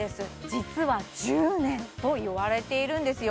実は１０年といわれているんですよ